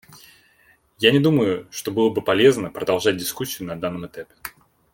Я не думаю, что было бы полезно продолжать дискуссию на данном этапе.